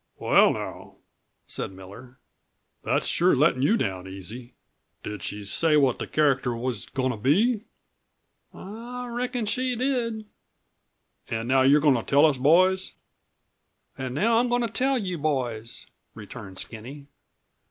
"Well, now," said Miller, "that's sure lettin' you down easy. Did she say what the character was goin' to be?" "I reckon she did." "An' now you're goin' to tell us boys?" "An' now I'm goin' to tell you boys," returned Skinny.